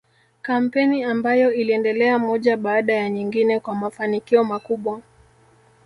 Kampeni ambayo iliendelea moja baada ya nyingine kwa mafanikio makubwa